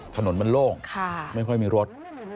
ถนนมันโล่งไม่ค่อยมีรถ